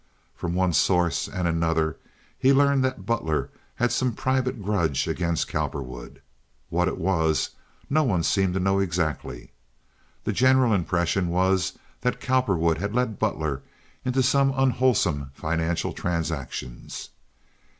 From one source and another he learned that Butler had some private grudge against Cowperwood. What it was no one seemed to know exactly. The general impression was that Cowperwood had led Butler into some unwholesome financial transactions.